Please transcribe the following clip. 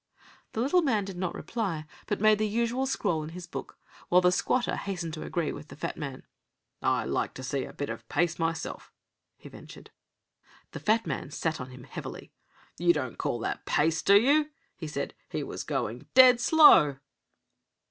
The little man did not reply, but made the usual scrawl in his book, while the squatter hastened to agree with the fat man. "I like to see a bit of pace myself," he ventured. The fat man sat on him heavily. "You don't call that pace, do you?" he said. "He was going dead slow."